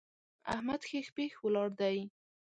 احمد هېښ پېښ ولاړ دی!